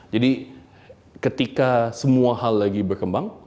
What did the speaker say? jadi ketika semua hal lagi berkembang